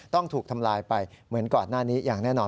ต้องถูกทำลายไปเหมือนก่อนหน้านี้อย่างแน่นอน